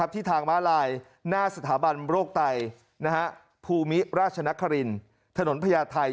ที่ทางม้าลายหน้าสถาบันโรคไตภูมิราชนครินถนนพญาไทย